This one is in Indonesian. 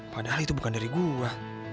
padahal itu bukan dari gue